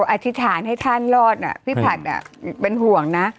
อธิษฐานให้ท่านรอดพี่ผัดเป็นห่วงนะ